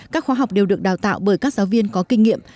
các khóa học đều được đào tạo bởi các giáo viên có kinh nghiệm